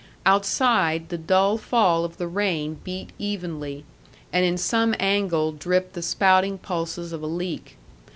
Outside, the dull fall of the rain beat evenly, and in some angle dripped the spouting pulses of a leak.